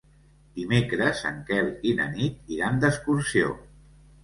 Dimecres en Quel i na Nit iran d'excursió.